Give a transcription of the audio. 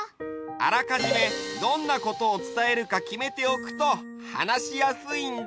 あらかじめどんなことをつたえるかきめておくとはなしやすいんだ。